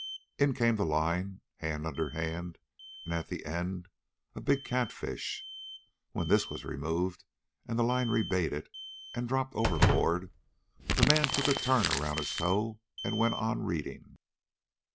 In came the line, hand under hand, and at the end a big catfish. When this was removed, and the line rebaited and dropped overboard, the man took a turn around his toe and went on reading.